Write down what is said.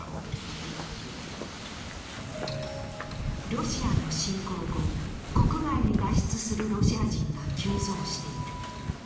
ロシアの侵攻後、国外に脱出するロシア人が急増している。